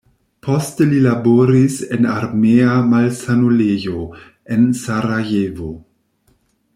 Poste li laboris en armea malsanulejo en Sarajevo.